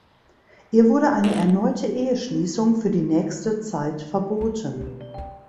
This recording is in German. Ihr wurde eine erneute Eheschließung für die nächste Zeit verboten.